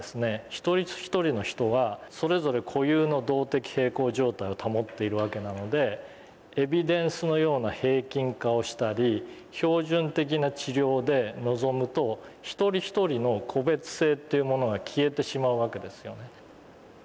一人一人の人はそれぞれ固有の動的平衡状態を保っているわけなのでエビデンスのような平均化をしたり標準的な治療で臨むと一人一人の個別性っていうものは消えてしまうわけですよね。